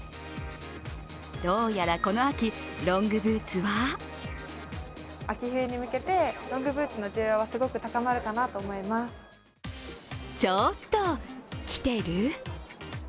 どうやらこの秋ロングブーツはちょっとキテル？